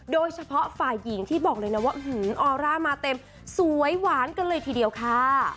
โดยเฉพาะฝ่ายหญิงที่บอกเลยนะว่าออร่ามาเต็มสวยหวานกันเลยทีเดียวค่ะ